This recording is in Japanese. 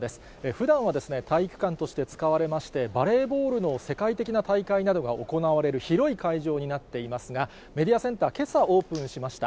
ふだんは体育館として使われまして、バレーボールの世界的な大会などが行われる広い会場になっていますが、メディアセンター、けさ、オープンしました。